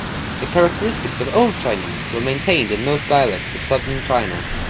The characteristics of Old Chinese were maintained in most dialects of southern China.